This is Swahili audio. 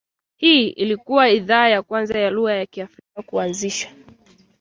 Hii ilikua idhaa ya kwanza ya lugha ya Kiafrika kuanzisha